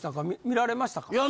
観られましたか？